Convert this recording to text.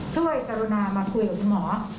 ช่วยกรุณามาคุยกับคุณหมอ